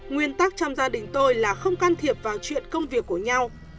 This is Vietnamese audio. nguyên tắc trong gia đình tôi là không can thiệp vào chuyện công việc của nhau